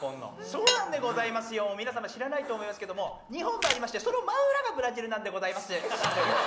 そうなんでございますよ、皆様知らないと思いますけども、日本がありまして、その真裏がブラジルなんでございます。